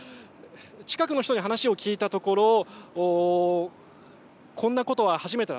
近くの人に話を聞いたところ、こんなことは初めてだ。